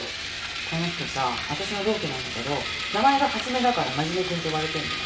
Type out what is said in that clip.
この人さ私の同期なんだけど名前が「初」だからマジメくんって呼ばれてるの。